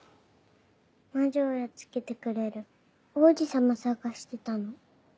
魔女をやっつけてくれる王子様探してたの。